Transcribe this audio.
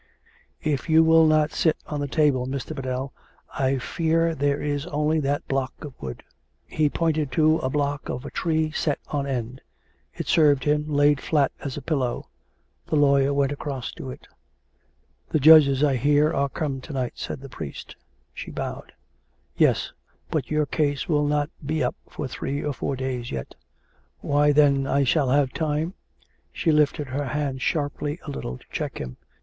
" If you will not sit on the table, Mr. Biddell, I fear there is only that block of wood." He pointed to a block of a tree set on end. It served him, laid flat, as a pillow. The lawyer went across to it. " The judges, I hear, are come to night," said the priest. She bowed. " Yes ; but your case will not be up for three or four days yet." " Why, then, I shall have time " She lifted her hand sharply a little to check him.